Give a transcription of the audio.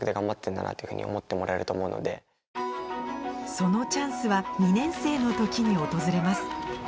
そのチャンスは２年生の時に訪れます